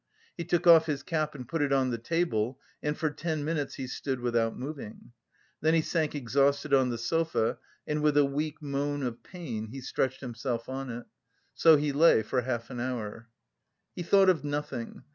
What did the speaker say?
He took off his cap and put it on the table, and for ten minutes he stood without moving. Then he sank exhausted on the sofa and with a weak moan of pain he stretched himself on it. So he lay for half an hour. He thought of nothing.